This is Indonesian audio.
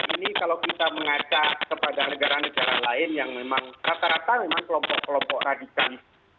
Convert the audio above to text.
ini kalau kita mengacak kepada negara negara lain yang memang rata rata memang kelompok kelompok radikal